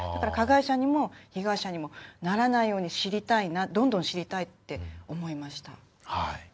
加害者にも被害者にもならないようにどんどん知りたいって思いました。